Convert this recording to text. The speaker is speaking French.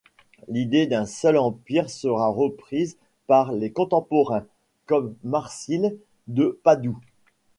L’idée d’un seul empire sera reprise par ses contemporains, comme Marcile de Padoue.